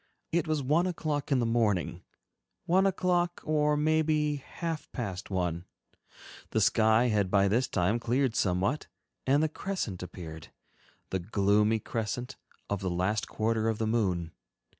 It was one o'clock in the morning, one o'clock or maybe half past one; the sky had by this time cleared somewhat and the crescent appeared, the gloomy crescent of the last quarter of the moon.